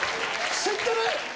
知ってる！